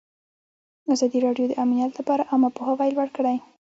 ازادي راډیو د امنیت لپاره عامه پوهاوي لوړ کړی.